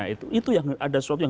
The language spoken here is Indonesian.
itu yang ada sesuatu yang